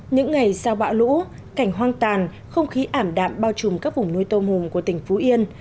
những ngày sau bão lũ cảnh hoang tàn không khí ảm đạm bao trùm các vùng nuôi tôm hùm của tỉnh phú yên